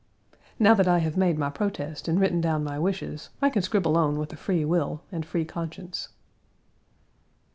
Now that I have made my protest and written down my wishes, I can scribble on with a free will and free conscience.